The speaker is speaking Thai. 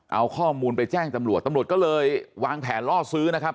เอาข้อมูลไปแจ้งตำรวจตำรวจก็เลยวางแผนล่อซื้อนะครับ